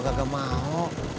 gue gak mau